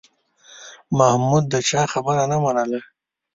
محمود د چا خبره نه منله